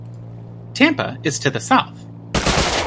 Tampa is to the south.